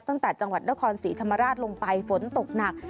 จังหวัดนครศรีธรรมราชลงไปฝนตกหนัก